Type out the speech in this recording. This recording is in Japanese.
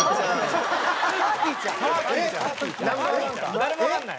誰もわかんない。